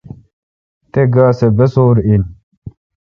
تہ گاے سہ بسو°ر این۔